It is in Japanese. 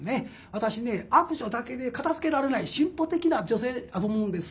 私ね「悪女」だけで片づけられない進歩的な女性やと思うんです。